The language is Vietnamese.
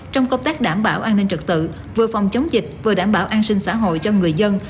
trong công tác đảm bảo an ninh trật tự vừa phòng chống dịch vừa đảm bảo an sinh xã hội cho người dân